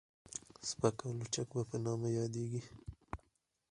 سپک او لچک به په نامه يادېده.